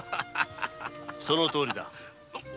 そのとおりだ。